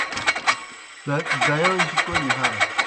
دایوجیْ کوْمی ہرہ۔